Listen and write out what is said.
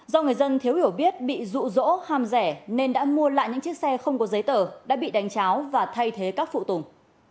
do người dân thiếu hiểu biết bị rụ rỗ ham rẻ nên đã mua lại những chiếc xe không có giấy tờ đã bị đánh cháo và thay thế các phụ tùng